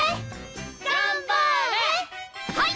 はい！